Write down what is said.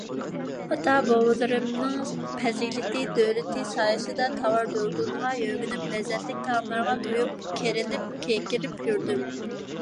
ئاتا - بوۋىلىرىمنىڭ پەزىلىتى - دۆلىتى سايىسىدا، تاۋار - دۇردۇنغا يۆگىنىپ، لەززەتلىك تائاملارغا تويۇپ، كېرىلىپ - كېكىرىپ يۈردۈم.